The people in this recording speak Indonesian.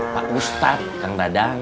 pak ustadz kang dadang